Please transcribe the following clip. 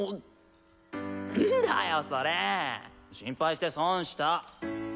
んだよそれ心配して損した！